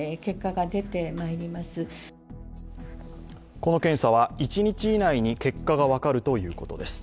この検査は一日以内に結果が分かるということです。